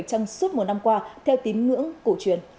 trong suốt một năm qua theo tín ngưỡng cổ truyền